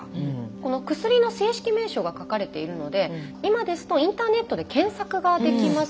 この薬の正式名称が書かれているので今ですとインターネットで検索ができますよね。